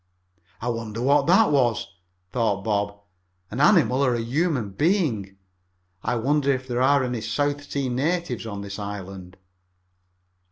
"I wonder what that was?" thought Bob. "An animal or a human being? I wonder if there are any South Sea natives on this island?"